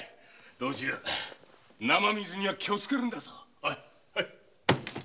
道中生水には気をつけるんだぞ。